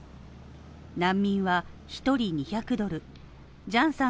難民は１人２００ドル、ジャンさん